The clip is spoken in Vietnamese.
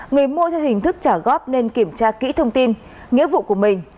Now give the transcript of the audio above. người mua theo hình thức trả góp nên kiểm tra kỹ thông tin nghĩa vụ của mình